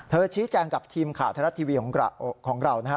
ชี้แจงกับทีมข่าวไทยรัฐทีวีของเรานะฮะ